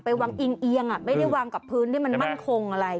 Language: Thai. วางอิงเอียงไม่ได้วางกับพื้นที่มันมั่นคงอะไร